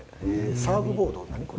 サーフボード？